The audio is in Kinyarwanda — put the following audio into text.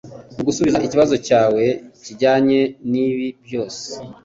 Mugusubiza ikibazo cyawe kijyanye nibi byose